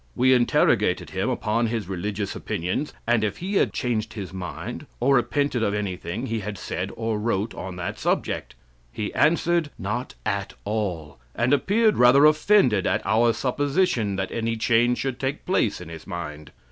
We interrogated him upon his religious opinions, and if he had changed his mind, or repented of anything he had said or wrote on that subject. He answered, "Not at all," and appeared rather offended at our supposition that any change should take place in his mind.